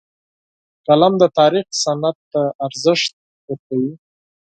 قلم د تاریخ سند ته ارزښت ورکوي